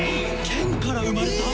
剣から生まれた！？